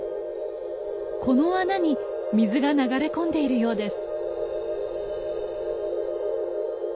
この穴に水が流れ込んでいるようです。